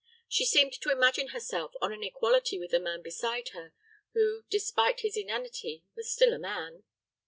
She seemed to imagine herself on an equality with the man beside her, who, despite his inanity, was still a man.